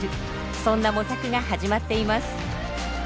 そんな模索が始まっています。